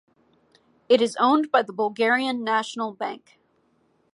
It is owned by the Bulgarian National Bank.